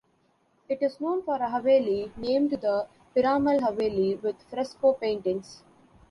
It is known for a haveli, named the Piramal Haveli, with fresco paintings.